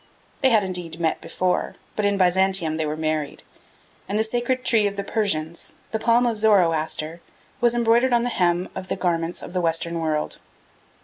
They had, indeed, met before, but in Byzantium they were married; and the sacred tree of the Persians, the palm of Zoroaster, was embroidered on the hem of the garments of the Western world.